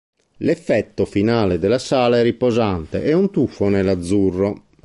L'effetto finale della sala è riposanteː è un tuffo nell'azzurro.